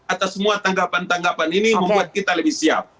atas semua tanggapan tanggapan ini membuat kita lebih siap